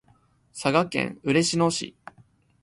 佐賀県嬉野市